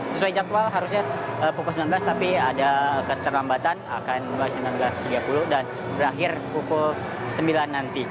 sesuai jadwal harusnya pukul sembilan belas tapi ada keterlambatan akan mulai sembilan belas tiga puluh dan berakhir pukul sembilan nanti